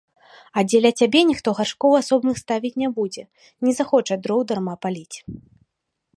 А дзеля цябе ніхто гаршкоў асобных ставіць не будзе, не захоча дроў дарма паліць.